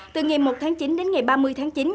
từ ngày một tháng chín đến ngày ba mươi tháng chín